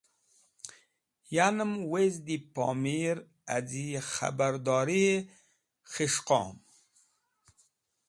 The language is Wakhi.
Yanem wezdi Pomir, azi khabargiri-e khis̃hqom.